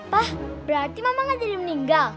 pak berarti mama nggak jadi meninggal